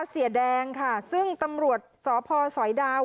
เสียแดงค่ะซึ่งตำรวจสพสอยดาว